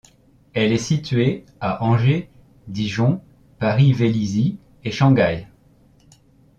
Elle est située à Angers, Dijon, Paris-Vélizy et Shanghai.